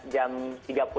enam belas jam setengah